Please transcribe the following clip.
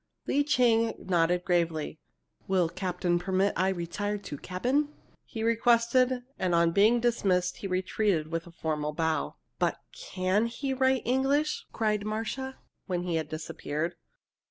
Lee Ching nodded gravely. "Will captain permit I retire to cabin?" he requested, and on being dismissed, he retreated with a formal bow. "But can he write English?" cried Marcia, when he had disappeared.